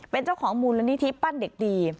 เป็นเจ้าของมูลนิธิปั้นเด็กดี